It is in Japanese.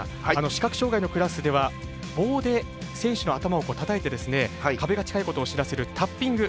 視覚障がいのクラスでは棒で選手の頭をたたいて壁が近いことを知らせるタッピング。